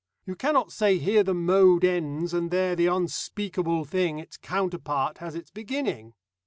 You cannot say, here the mode ends, and there the unspeakable thing, its counterpart, has its beginning.